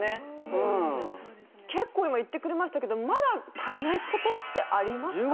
うん結構今言ってくれましたけどまだ足りないことってありますか？